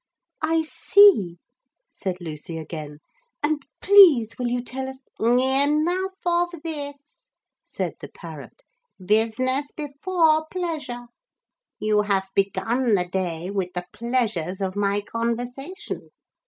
'I see,' said Lucy again, 'and please will you tell us ' 'Enough of this,' said the parrot; 'business before pleasure. You have begun the day with the pleasures of my conversation.